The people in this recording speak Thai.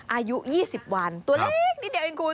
อายุ๒๐วันตัวเล็กนิดเดียวเองคุณ